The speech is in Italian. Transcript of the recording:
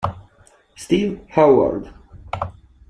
Steve Howard